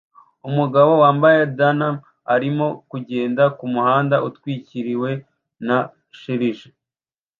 Umugabo wambaye denim arimo agenda kumuhanda utwikiriwe na shelegi